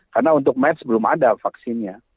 karena untuk mers belum ada vaksinnya